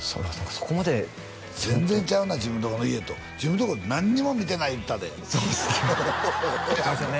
そこまで全然ちゃうな自分のとこの家と自分のとこ何にも見てない言ってたでそうっすね